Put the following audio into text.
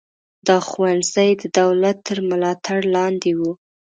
دا ښوونځي د دولت تر ملاتړ لاندې وو.